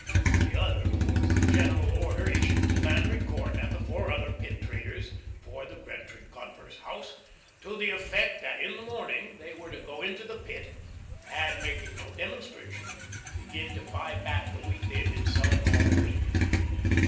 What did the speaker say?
The other was the general order issued to Landry Court and the four other Pit traders for the Gretry Converse house, to the effect that in the morning they were to go into the Pit and, making no demonstration, begin to buy back the wheat they had been selling all the week.